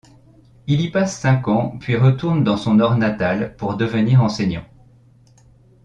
Il y passe cinq ans puis retourne dans son Nord natal pour devenir enseignant.